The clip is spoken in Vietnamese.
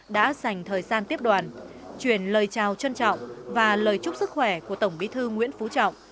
đã dành thời gian tiếp đoàn truyền lời chào trân trọng và lời chúc sức khỏe của tổng bí thư nguyễn phú trọng